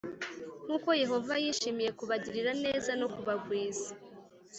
“nk’uko yehova yishimiye kubagirira neza no kubagwiza,